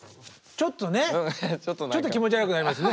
ちょっとねちょっと気持ち悪くなりますね。